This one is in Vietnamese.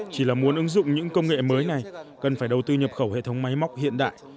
chỉ là muốn ứng dụng những công nghệ mới này cần phải đầu tư nhập khẩu hệ thống máy móc hiện đại